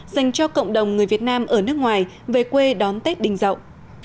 dành cho cộng đồng người việt nam ở nước ngoài về quê đón tết đình dậu